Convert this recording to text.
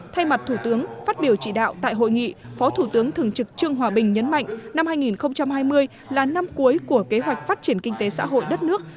thay mặt thủ tướng phát biểu trị đạo tại hội nghị phó thủ tướng thường trực trương hòa bình nhấn mạnh năm hai nghìn hai mươi là năm cuối của kế hoạch phát triển kinh tế xã hội đất nước